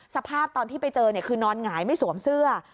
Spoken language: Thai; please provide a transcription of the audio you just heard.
สภาพตอนที่ไปเจอคือนอนหงายไม่สวมเสื้อ